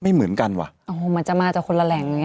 ไม่เหมือนกันว่ะโอ้โหมันจะมาจากคนละแหล่งอย่างเ